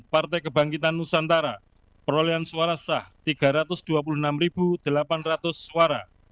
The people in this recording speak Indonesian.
partai kebangkitan nusantara perolehan suara sah tiga ratus dua puluh enam delapan ratus suara